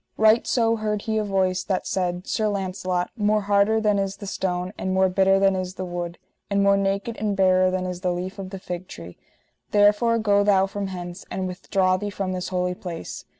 Right so heard he a voice that said: Sir Launcelot, more harder than is the stone, and more bitter than is the wood, and more naked and barer than is the leaf of the fig tree; therefore go thou from hence, and withdraw thee from this holy place.